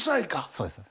そうです。